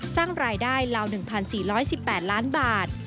สร้างรายได้ราว๑๔๑๘ล้านบาท